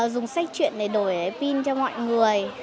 dùng sách chuyện để đổi pin cho mọi người